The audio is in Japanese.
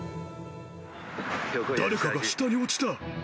誰かが下に落ちた。